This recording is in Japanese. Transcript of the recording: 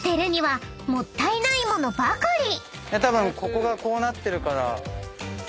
たぶんここがこうなってるから。